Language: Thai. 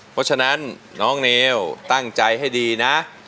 เพราะฉะนั้นน้องเนวตั้งใจให้ดีนะ